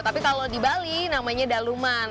tapi kalau di bali namanya daluman